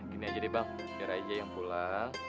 gini aja deh bang biar aja yang pulang